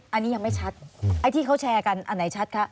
อันนี้ยังไม่ชัดไอ้ที่เขาแชร์กันอันไหนชัดคะ